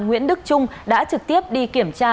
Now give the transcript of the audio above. nguyễn đức trung đã trực tiếp đi kiểm tra